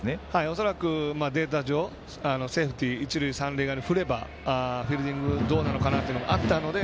恐らくデータ上セーフティー一塁三塁側に振ればフィールディングどうなのかなっていうのがあったので。